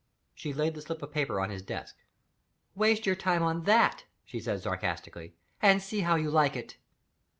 She laid the slip of paper on his desk. "Waste your time on that," she said satirically, "and see how you like it!"